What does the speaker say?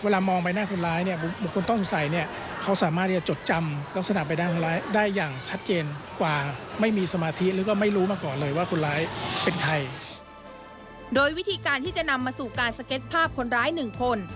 โดยวิธีการที่จะนำมาสู่การสเก็ตภาพคนร้ายหนึ่งคน